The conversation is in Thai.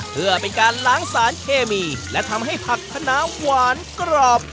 เพื่อเป็นการล้างสารเคมีและทำให้ผักขนาหวานกรอบ